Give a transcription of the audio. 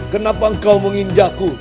kenapa engkau menginjakku